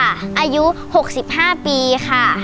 อายุ๖๕ปีค่ะ